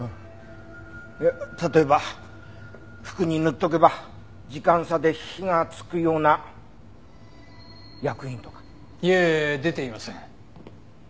例えば服に塗っとけば時間差で火がつくような薬品とか。いえ出ていません。